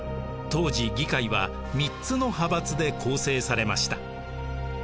当時議会は３つの派閥で構成されました。